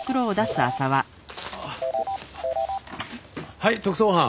はい特捜班。